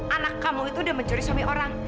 anak kamu itu udah mencuri suami orang